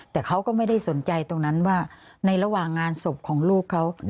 แต่เขาก็ไม่ได้สนใจตรงนั้นว่าในระหว่างงานศพของลูกเขา